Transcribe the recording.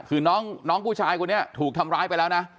คือน้องผู้ชายคนนี้ถูกทำร้ายไปแล้วนะ